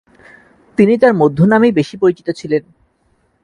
তিনি তার মধ্যনামেই বেশি পরিচিত ছিলেন।